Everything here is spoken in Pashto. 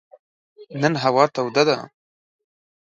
نن هوا توده ده.